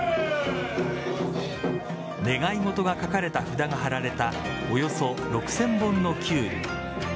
願い事が書かれた札が張られたおよそ６０００本のキュウリ。